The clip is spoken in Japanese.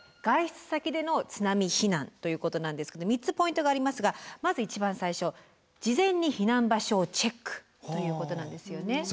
外出先での津波避難ということなんですけど３つポイントがありますがまず一番最初「事前に避難場所をチェック」ということなんですよね。